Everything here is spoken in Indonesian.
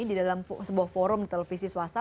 di dalam sebuah forum di televisi swasta